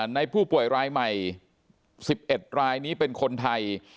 ในผู้ป่วยรายใหม่๑๑รายนี้เป็นคนไทย